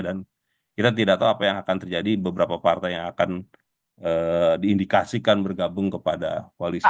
dan kita tidak tahu apa yang akan terjadi beberapa partai yang akan diindikasikan bergabung kepada polis